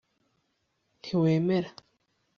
ntiwemera